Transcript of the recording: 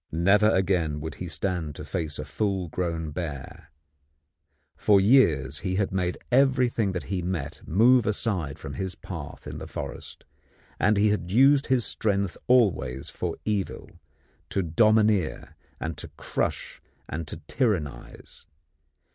Never again would he stand to face a full grown bear. For years he had made everything that he met move aside from his path in the forest, and he had used his strength always for evil, to domineer and to crush and to tyrannize.